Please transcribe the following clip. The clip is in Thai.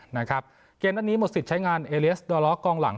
นะครับเกมนั้นนี้หมดสิทธิ์ใช้งานเอเลียสดัวล็อกกองหลัง